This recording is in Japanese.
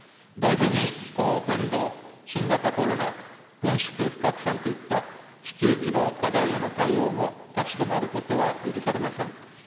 同時に気候変動、新型コロナ、軍縮・不拡散といった地球規模課題への対応も立ち止まることは許されません。